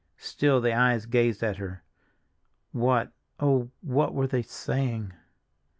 Still the eyes gazed at her—what, oh, what were they saying?